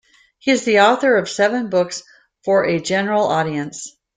He is the author of seven books for a general audience.